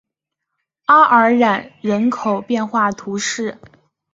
阿尔然人口变化图示